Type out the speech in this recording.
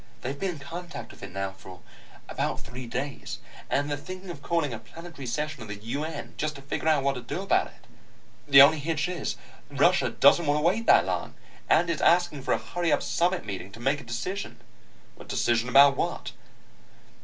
"They have been in contact with it now for about three days, and they're thinking of calling a plenary session of the UN just to figure out what to do about it. The only hitch is, Russia doesn't want to wait that long, and is asking for a hurry up summit meeting to make a decision." "A decision about what?"